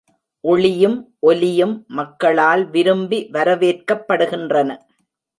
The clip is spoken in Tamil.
ஒளியும் ஒலியும் மக்களால் விரும்பி வரவேற்கப்படுகின்றன.